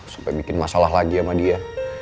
sampai bikin masalah lagi sama dia